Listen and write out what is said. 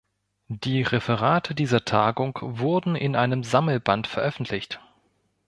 Die Referate dieser Tagung wurden in einem Sammelband veröffentlicht.